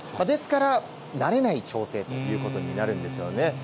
ですから、慣れない調整ということになるんですよね。